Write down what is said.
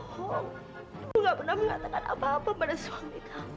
hari ini kamu gak boleh makan